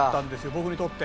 僕にとって。